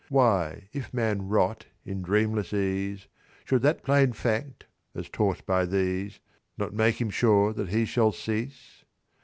"Why, if man rot in dreamless ease, Should that plain fact, as taught by these, Not make him sure that he shall cease?